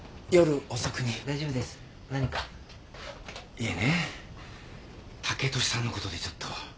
いえね剛利さんのことでちょっと。